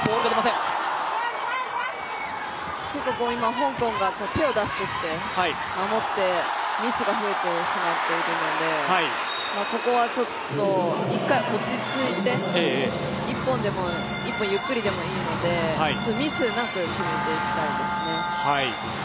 香港が手を出してきて守ってミスが増えてしまっているのでここは一回落ち着いて、１本ゆっくりでもいいので、ミスなく決めていきたいですね。